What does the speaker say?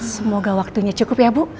semoga waktunya cukup ya bu